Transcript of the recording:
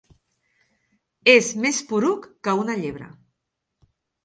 És més poruc que una llebre.